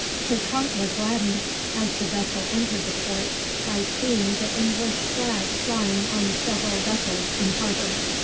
His heart was gladdened, as the vessel entered the port, by seeing the English flag flying on several vessels in harbor.